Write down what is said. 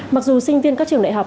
mặc dù sinh viên các trường đại học